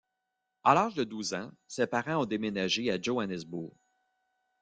À l'âge de douze ans ses parents ont déménagé à Johannesburg.